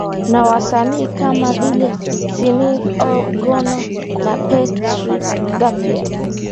Na wasanii kama vile Sinead O Connor na Peter Gabriel